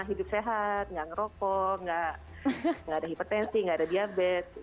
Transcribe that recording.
selama hidup sehat gak ngerokok gak ada hipotensi gak ada diabetes